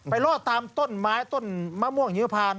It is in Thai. รอดตามต้นไม้ต้นมะม่วงหิวพาน